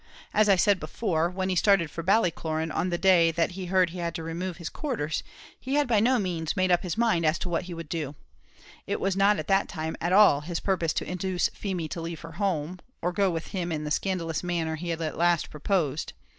As I said before, when he started for Ballycloran on the day that he heard he had to remove his quarters, he had by no means made up his mind as to what he would do: it was not at that time at all his purpose to induce Feemy to leave her home, or go with him in the scandalous manner he had at last proposed.